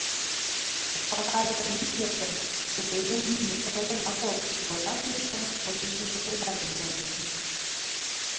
— Пычалтаретым ит нӧртӧ, уке гын лӱйыметым огына кол, — йолташыже-шамыч почешыже койдарен пелештышт.